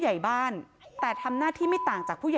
โชว์บ้านในพื้นที่เขารู้สึกยังไงกับเรื่องที่เกิดขึ้น